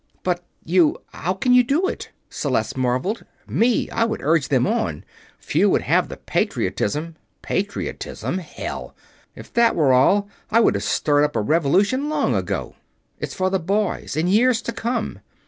"But you how can you do it?" Celeste marveled. "Me, I would urge them on. Few would have the patriotism...." "Patriotism, hell! If that were all, I would have stirred up a revolution long ago. It's for the boys, in years to come.